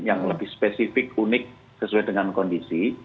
yang lebih spesifik unik sesuai dengan kondisi